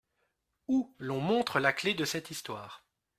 Où l'on montre la clef de cette histoire.